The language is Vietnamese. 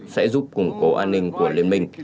sẽ giúp củng cố an ninh của liên minh